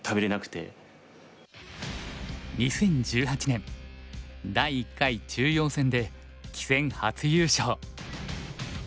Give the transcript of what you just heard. ２０１８年第１回中庸戦で棋戦初優勝。